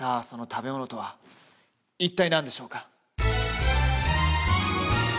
その食べ物とは一体何でしょうか？